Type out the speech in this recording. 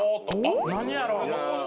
何やろ？